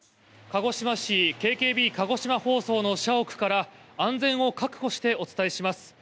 鹿児島市ＫＫＢ・鹿児島放送の社屋から安全を確保してお伝えします。